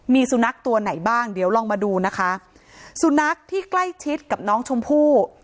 มีสุนัขตัวไหนบ้างเดี๋ยวลองมาดูนะคะสุนัขที่ใกล้ชิดกับน้องชมพู่